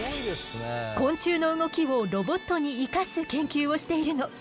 昆虫の動きをロボットに生かす研究をしているの。